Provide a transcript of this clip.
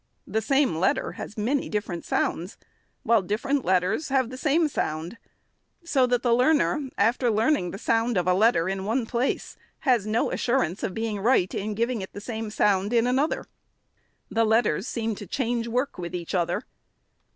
The same letter has many different sounds, while differ ent letters have the same sound, so that the learner, after learning the sound of a letter in one place, has no assur ance of being right in giving it the same sound in another. The letters seem to change work with each other.